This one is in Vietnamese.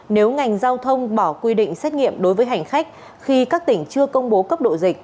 nếu ngành giao thông bỏ quy định xét nghiệm đối với hành khách khi các tỉnh chưa công bố cấp độ dịch